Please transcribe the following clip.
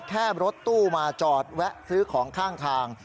แค่รถตู้มาจอดแวะซื้อของข้างทาง